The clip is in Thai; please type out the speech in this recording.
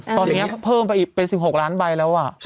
ตอนนี้เพิ่มไปอีกเป็น๑๖ล้านใบแล้ว